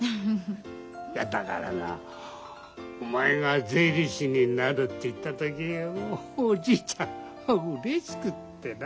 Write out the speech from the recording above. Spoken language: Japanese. いやだからなお前が税理士になるって言った時おじいちゃんうれしくってな。